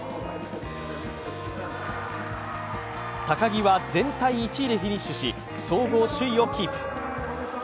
高木は全体１位でフィニッシュし、総合首位をキープ。